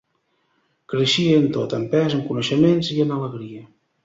Creixia en tot: en pes, en coneixements i en alegria.